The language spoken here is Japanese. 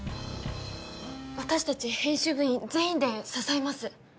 私たち編集部員全員で支えます。